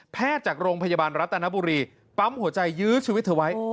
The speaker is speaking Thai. จากโรงพยาบาลรัตนบุรีปั๊มหัวใจยื้อชีวิตเธอไว้